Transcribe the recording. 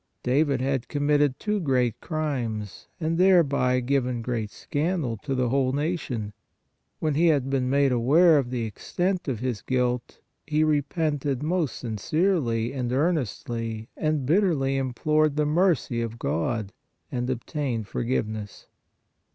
David had committed two great crimes and thereby given great scandal to the whole nation. When he had been made aware of 30 PRAYER the extent of his guilt, he repented most sincerely and earnestly and bitterly implored the mercy of God, and obtained forgiveness.